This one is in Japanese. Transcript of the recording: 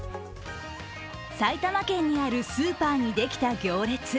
埼玉県にあるスーパーにできた行列。